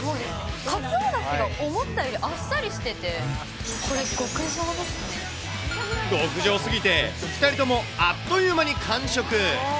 かつおだしが思ったよりあっさりしてて、これ、極上すぎて、２人ともあっという間に完食。